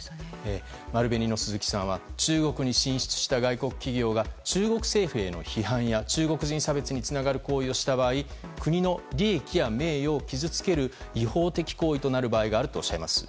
丸紅の鈴木さんは中国に進出した外国企業が中国政府への批判や中国人差別につながる行為をした場合国の利益に反する違法的行為となる場合があるとおっしゃいます。